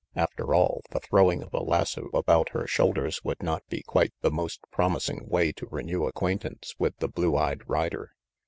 After all, the throwing of a lasso about her shoulders would not be quite the most promising way to renew acquaintance with the blue eyed rider.